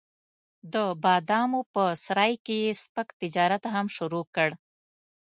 د بادامو په سرای کې یې سپک تجارت هم شروع کړ.